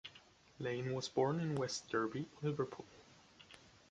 Lane was born in West Derby, Liverpool.